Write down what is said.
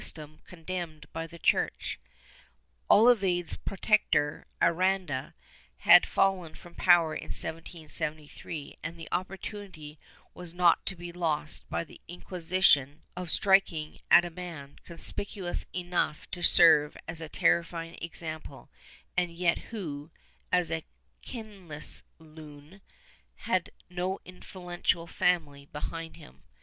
stem condemned by the Church. Olavide's protector, Aranda, liad fallen from power in 1773 and the opportunity was not to be lost by the Inquisition of striking at a man, conspicuous enough to serve as a terrifying example, and yet who, as a ''kinless loon," had no influential family behind him.